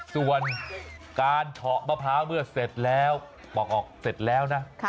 ส่วนการเฉาะมะพร้าวเมื่อเสร็จแล้วบอกออกเสร็จแล้วนะ